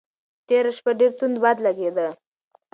تېره شپه ډېر توند باد لګېده.